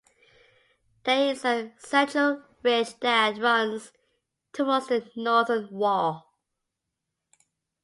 There is a central ridge that runs towards the northern wall.